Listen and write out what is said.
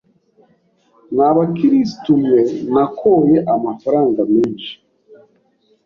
mwa bakirisitu mwe nakoye amafaranga menshi